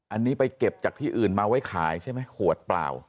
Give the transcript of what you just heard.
อันนี้ไปเก็บจากที่อื่นมาไว้ขายใช่ไหมขวดเปล่า